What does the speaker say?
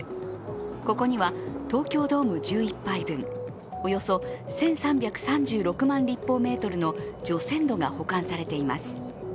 ここには東京ドーム１１杯分、およそ１３３６万立方メートルの除染土が保管されています。